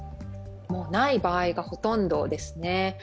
ない場合がほとんどですね。